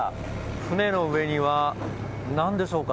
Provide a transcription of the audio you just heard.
船の上には、なんでしょうか？